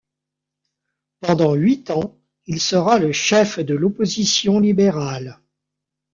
Pendant huit ans, il sera le chef de l'opposition libérale.